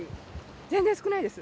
全然少ないです。